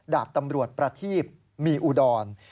ดาบตำรวจประทีพมีอุดร